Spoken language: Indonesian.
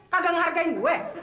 kagak ngehargain gue